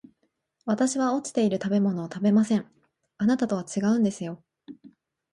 私は落ちている食べ物を食べません、あなたとは違うんですよ